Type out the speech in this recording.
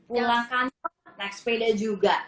nyela kantor naik sepeda juga